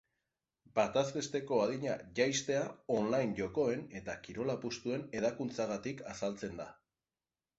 Bataz besteko adina jaistea online jokoen eta kirol apustuen hedakuntzagatik azaltzen da.